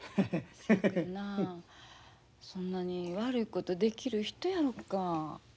そやけどなそんなに悪いことできる人やろか。